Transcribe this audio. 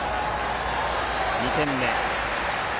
２点目。